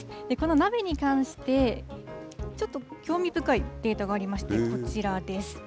この鍋に関して、ちょっと興味深いデータがありまして、こちらです。